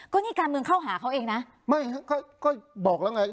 ก็นี่การเมืองเข้าหาเขาเองนะไม่ฮะก็ก็บอกแล้วไง